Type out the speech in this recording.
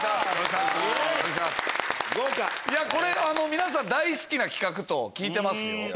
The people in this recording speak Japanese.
これ皆さん大好きな企画と聞いてますよ。